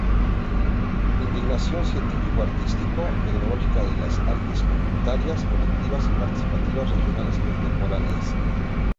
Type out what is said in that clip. Indagación científico-artístico-tecnológica de las Artes Comunitarias, Colectivas y Participativas Regionales Contemporáneas.